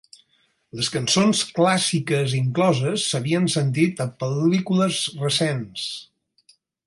Les cançons clàssiques incloses s'havien sentit a pel·lícules recents.